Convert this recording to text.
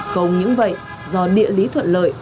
không những vậy do địa lý thuận lợi